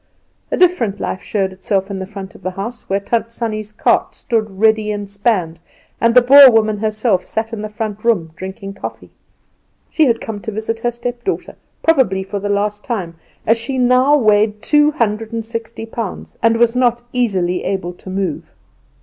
A different life showed itself in the front of the house, where Tant Sannie's cart stood ready inspanned and the Boer woman herself sat in the front room drinking coffee. She had come to visit her stepdaughter, probably for the last time, as she now weighed two hundred and sixty pounds, and was not easily able to move.